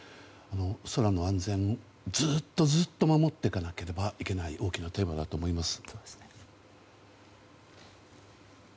空の安全をずっとずっと守っていかなければいけない大きなテーマだと思います。